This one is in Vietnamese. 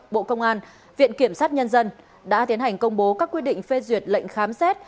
bộ công an viện kiểm sát nhân dân đã tiến hành công bố các quyết định phê duyệt lệnh khám xét